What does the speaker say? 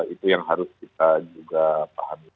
itu yang harus kita juga pahami